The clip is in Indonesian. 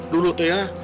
dulu teh ya